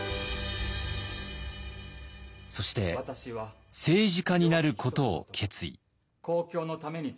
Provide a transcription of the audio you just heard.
そして政治家になることを決意。